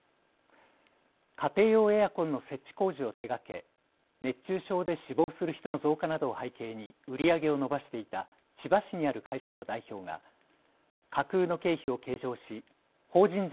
家庭用エアコンの設置工事を手がけ熱中症で死亡する人の増加などを背景に売り上げを伸ばしていた千葉市にある会社の代表が架空の経費を計上し法人税